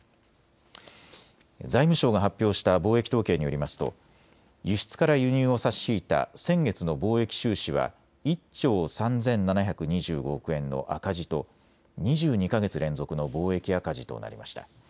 財務省が発表した貿易統計によりますと輸出から輸入を差し引いた先月の貿易収支は１兆３７２５億円の赤字と２２か月連続の貿易赤字となりました。